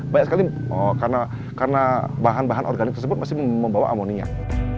banyak sekali karena bahan bahan organik tersebut masih membawa amoniak